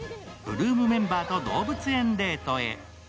８ＬＯＯＭメンバーと動物園デートへ。